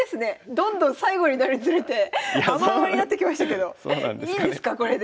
どんどん最後になるにつれて甘々になってきましたけどいいんですかこれで。